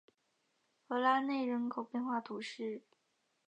弗拉内人口变化图示